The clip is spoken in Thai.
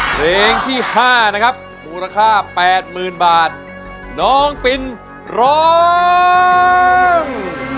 เพลงที่ห้านะครับมูลค่าแปดหมื่นบาทน้องปินร้อง